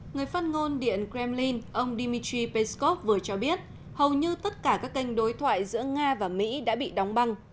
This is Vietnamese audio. người phát ngôn điện kremlin ông dmitry peskov vừa cho biết hầu như tất cả các kênh đối thoại giữa nga và mỹ đã bị đóng băng